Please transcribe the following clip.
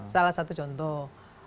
salah satu contoh